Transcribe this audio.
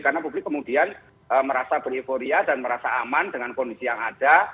karena publik kemudian merasa berheforia dan merasa aman dengan kondisi yang ada